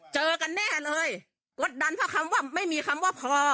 เจอกันแน่เลยกดดันเพราะคำว่าไม่มีคำว่าพอ